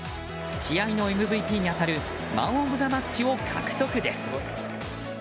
試合のＭＶＰに当たるマン・オブ・ザ・マッチを獲得です。